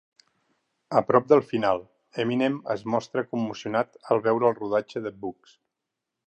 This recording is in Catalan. A prop del final, Eminem es mostra commocionat al veure el rodatge de Bugz.